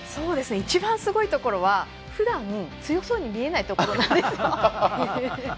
一番すごいところはふだん、強そうに見えないところなんですよ。